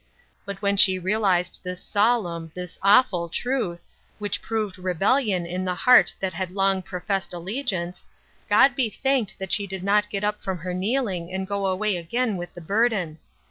But when she realized this solemn, this awful truth, which proved rebellion in the heart that Lad long professed allegiance, God be thanked that she did not get up from her kneeling and go away again with the burden.